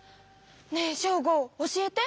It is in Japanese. ねえショーゴ教えて。